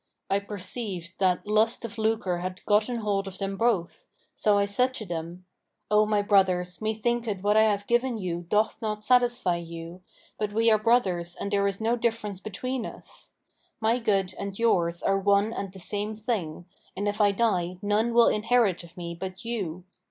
I perceived that lust of lucre had gotten hold of them both; so I said to them, 'O my brothers, methinketh what I have given you doth not satisfy you; but we are brothers and there is no difference between us. My good and yours are one and the same thing, and if I die none will inherit of me but you.'